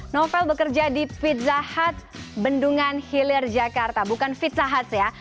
novel bekerja di pizza hut bendungan hilir jakarta bukan pizza hut ya